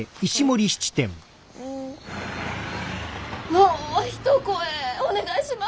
・もう一声お願いします。